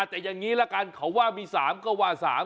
อ่ะแต่ยังงี้ละกันขอว่ามี๓ก็ว่า๓